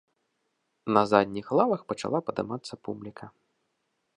На задніх лавах пачала падымацца публіка.